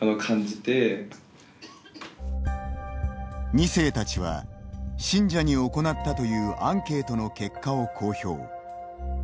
２世たちは信者に行ったというアンケートの結果を公表。